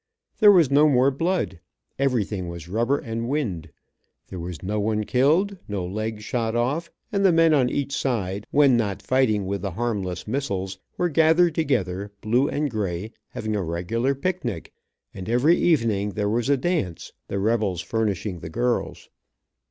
There was no more blood. Everything was rubber and wind. There was no one killed, no legs shot off, and the men on each side; when not fighting with the harmless missiles, were gathered together, blue and gray, having a regular picnic, and every evening there was a dance, the rebels furnishing the girls.